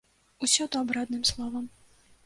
Усё добра, адным словам!